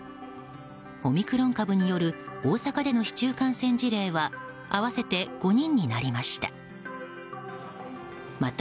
オミクロン株による大阪での市中感染事例は合わせて５人になりました。